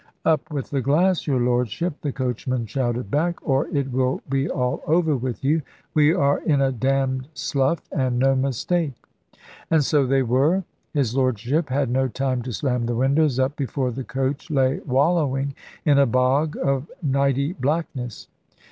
"Up with the glass, your Lordship," the coachman shouted back; "or it will be all over with you. We are in a damned slough, and no mistake." And so they were. His Lordship had no time to slam the windows up, before the coach lay wallowing in a bog of nighty blackness.